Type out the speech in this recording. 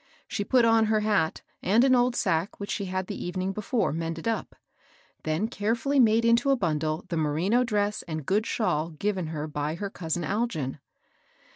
She put on her hat, and an old sack which she had the evening before mended up ; then careftilly made into a bundle the THE RAG MEBCHANTS. ' 389 merino dress and good shawl given her by her cousin Algin.